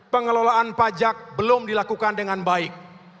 pengelolaan pajak belum dilakukan dengan baik